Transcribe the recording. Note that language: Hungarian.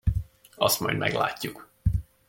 Azt majd meglátjuk!